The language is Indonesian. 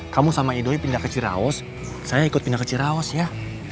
kamu sama ido pindah ke ciraos saya ikut pindah ke ciraos ya